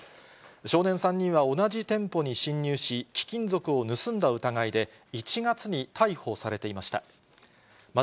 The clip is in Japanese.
少年３人は同じ店舗に侵入し、貴金属を盗んだ疑いで、１月に逮捕されていました。